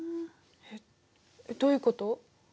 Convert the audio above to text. えっ？どういうこと？